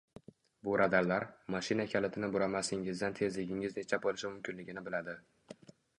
Bu radarlar, mashina kalitini buramasingizdan tezligingiz necha boʻlishi mumkinligini biladi.